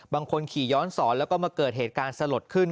บางคนขี่ย้อนสอนแล้วก็มาเกิดเหตุการณ์สลดขึ้น